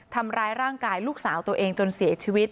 ทำร้ายร่างกายลูกสาวตัวเองจนเสียชีวิต